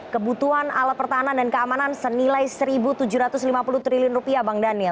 kebutuhan alat pertahanan dan keamanan senilai rp satu tujuh ratus lima puluh triliun rupiah bang daniel